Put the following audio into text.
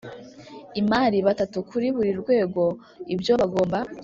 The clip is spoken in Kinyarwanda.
imari batatu kuri buri rwego Ibyo bagomba